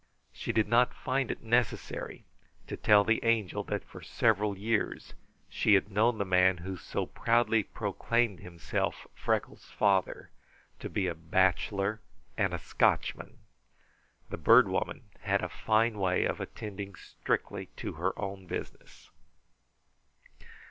She did not find it necessary to tell the Angel that for several years she had known the man who so proudly proclaimed himself Freckles' father to be a bachelor and a Scotchman. The Bird Woman had a fine way of attending strictly to her own business.